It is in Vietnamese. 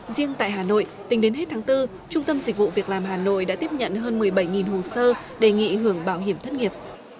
riêng tại hà nội tính đến hết tháng bốn trung tâm dịch vụ việc làm hà nội đã tiếp nhận hơn một mươi bảy hồ sơ đề nghị hưởng bảo hiểm thất nghiệp